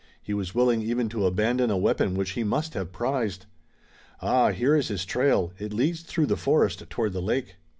He was willing even to abandon a weapon which he must have prized. Ah, here is his trail! It leads through the forest toward the lake!"